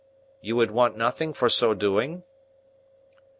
You would want nothing for so doing?"